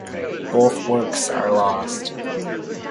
Both works are lost.